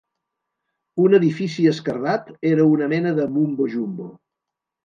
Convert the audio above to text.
"Un edifici esquerdat era una mena de Mumbo Jumbo".